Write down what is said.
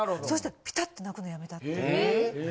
そしたらピタッと鳴くのやめたって。